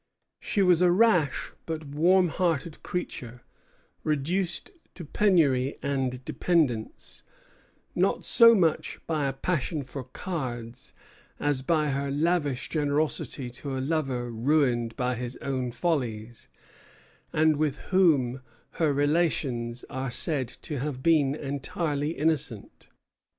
She was a rash but warm hearted creature, reduced to penury and dependence, not so much by a passion for cards as by her lavish generosity to a lover ruined by his own follies, and with whom her relations are said to have been entirely innocent.